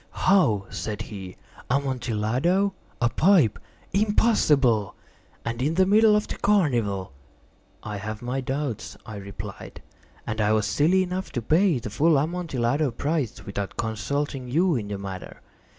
"How?" said he. "Amontillado? A pipe? Impossible! And in the middle of the carnival!" "I have my doubts," I replied; "and I was silly enough to pay the full Amontillado price without consulting you in the matter.